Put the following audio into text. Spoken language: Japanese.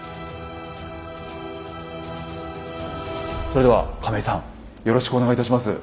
それでは亀井さんよろしくお願いいたします。